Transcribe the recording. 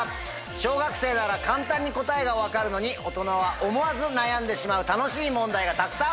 小学生なら簡単に答えが分かるのに大人は思わず悩んでしまう楽しい問題がたくさん！